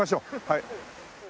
はい。